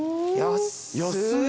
安い。